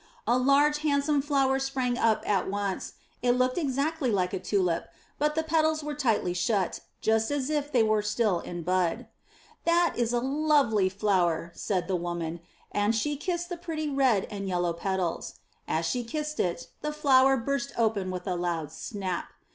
A large, handsome flower sprang up at once; it looked exactly like a tulip, but the petals were tightly shut up, just as if they were still in bud. *That is a lovely flower," said the woman, and she kissed the pretty red and yellow petals. As she kissed it the flower burst open with a loud snap.